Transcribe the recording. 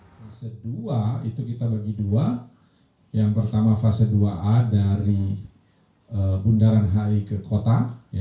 fase dua itu kita bagi dua yang pertama fase dua a dari bundaran hi ke kota